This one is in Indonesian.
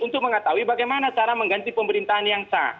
untuk mengetahui bagaimana cara mengganti pemerintahan yang sah